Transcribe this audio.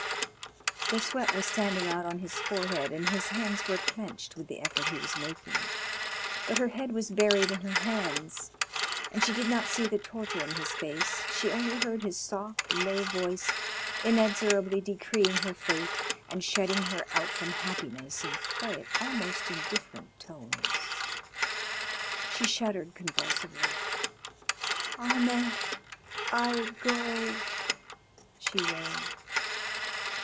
The sweat was standing out on his forehead and his hands were clenched with the effort he was making, but her head was buried in her hands, and she did not see the torture in his face, she only heard his soft, low voice inexorably decreeing her fate and shutting her out from happiness in quiet almost indifferent tones. She shuddered convulsively. "Ahmed! I go!" she wailed.